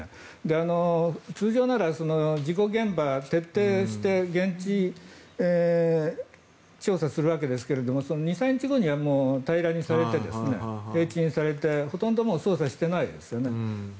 通常なら事故現場、徹底して現地調査するわけですけど２３日後には平らにされて、平地にされてほとんどもう捜査してないですよね。